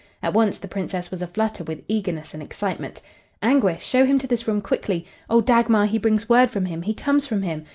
At once the Princess was aflutter with eagerness and excitement. "Anguish! Show him to this room quickly! Oh, Dagmar, he brings word from him! He comes from him!